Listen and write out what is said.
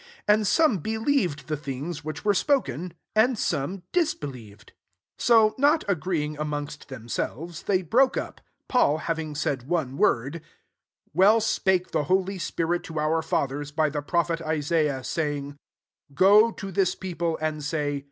24 And some believed the things which were spoken, and some disbefiev ed. 25 So, not agreeing amongst themselves, they broke up, Paul having said one word, " Well spake the holy spirit to our fathers by the prophet Isaiah, 26 saying, ' Go to tih people, and say.